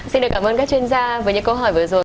xin được cảm ơn các chuyên gia với những câu hỏi vừa rồi